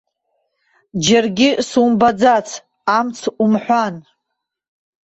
Џьаргьы сумбаӡац, амц умҳәан.